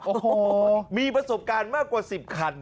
โอ้โหมีประสบการณ์มากกว่า๑๐คัน